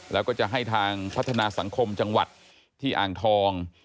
แล้วก็จะให้ทางพัฒนาสังคมจังหวัดที่อ่างทอง